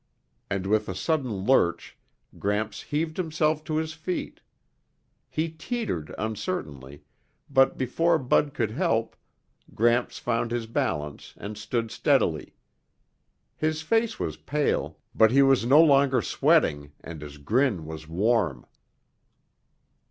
And with a sudden lurch, Gramps heaved himself to his feet. He teetered uncertainly, but before Bud could help, Gramps found his balance and stood steadily. His face was pale, but he was no longer sweating and his grin was warm.